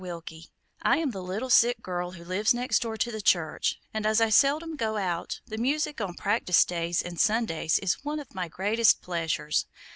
WILKIE, I am the little sick girl who lives next door to the church, and, as I seldom go out, the music on practice days and Sundays is one of my greatest pleasures.